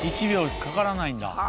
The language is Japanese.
１秒かからないんだ。